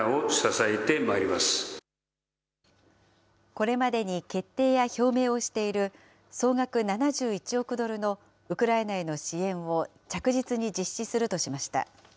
これまでに決定や表明をしている総額７１億ドルのウクライナへの支援を着実に実施するとしました。